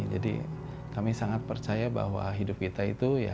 jadi kami sangat percaya bahwa hidup kita itu